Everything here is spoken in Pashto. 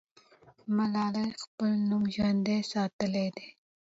ملالۍ خپل نوم ژوندی ساتلی دی.